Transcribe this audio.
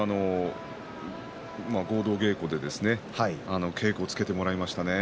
よく合同稽古で稽古をつけてもらいましたね。